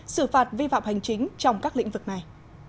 xử phạt vi phạm hành chính trong các lĩnh vực này